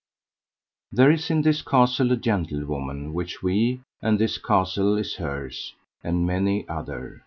There is in this castle a gentlewoman which we and this castle is hers, and many other.